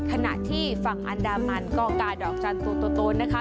ขณะที่ฝั่งอันดามันก็กาดอกจันทร์ตัวโตนะคะ